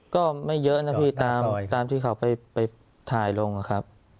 ก็ไม่เยอะนะพี่ตามที่เขาไปถ่ายลงอะครับ